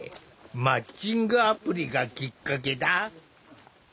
マッチングアプリがきっかけだ。